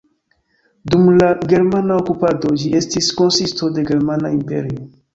Dum la germana okupado ĝi estis konsisto de Germana imperio.